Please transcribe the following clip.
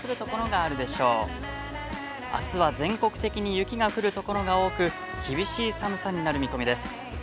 あすは全国的に雪が降るところが多く、厳しい寒さになる見込みです。